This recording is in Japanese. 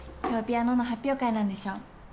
今日ピアノの発表会なんでしょ？